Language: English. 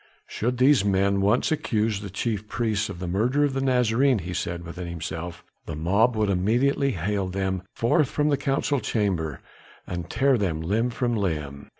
"Should these men once accuse the chief priests of the murder of the Nazarene," he said within himself, "the mob would immediately hale them forth from the council chamber and tear them limb from limb."